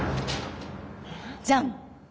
じゃん！